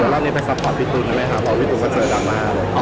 รอบนี้ไปซัพพอสพีทูนทำไมคะเพราะพี่ทูนเผชิญจัดธรรมะ